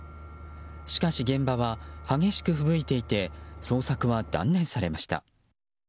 しかし現場は激しくふぶいていて捜索は断念されました。